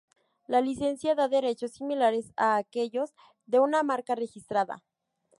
La licencia da derechos similares a aquellos de una marca registrada.